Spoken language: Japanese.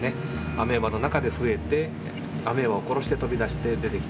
アメーバの中で増えてアメーバを殺して飛び出して出てきた